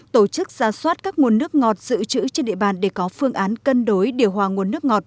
tổ chức ra soát các nguồn nước ngọt giữ chữ trên địa bàn để có phương án cân đối điều hòa nguồn nước ngọt